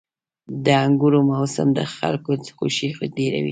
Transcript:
• د انګورو موسم د خلکو خوښي ډېروي.